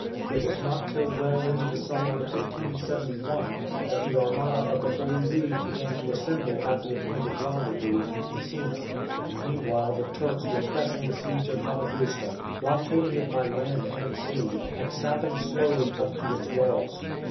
It was not till well into the summer of 1571 that the armada of the Holy League began to assemble at the appointed rendezvous, Messina. Meanwhile, the Turks were pressing the siege of Famagusta, blockading it by land and sea, and sapping slowly up to its walls.